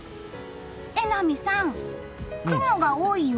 榎並さん、雲が多いよ！